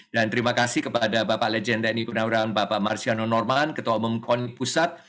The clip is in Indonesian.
dan terima kasih kepada bapak legenda niko naurang bapak marciano norman ketua umum kon pusat